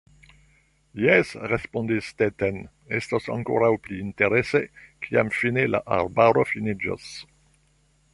Jes, respondis Stetten, estos ankoraŭ pli interese, kiam fine la arbaro finiĝos.